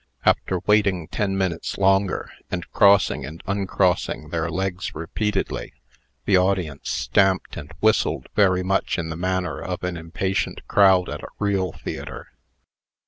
After waiting ten minutes longer, and crossing and uncrossing their legs repeatedly, the audience stamped and whistled very much in the manner of an impatient crowd at a real theatre.